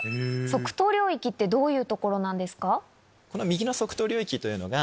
側頭領域ってどういう所なんですか？